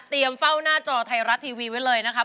เตรียมเฝ้าหน้าจอไทยรัฐทีวีไว้เลยนะครับ